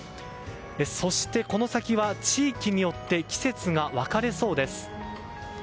そして、この先は地域によって季節が分かれそうです。